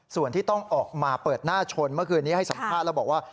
ส่วนที่ต้องออกมาเปิดหน้าชนเมื่อคืนนี้ให้สัมภาษณ์แล้วบอกว่า